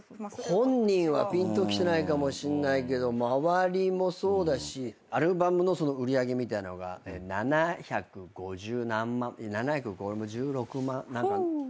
本人はピンときてないかもしんないけど周りもそうだしアルバムの売り上げみたいなのが７５０何万７５６万。